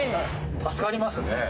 助かりますよね